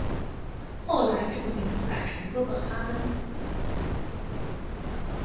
后来这个名字改成哥本哈根。